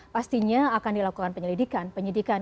pastinya akan dilakukan penyelidikan penyidikan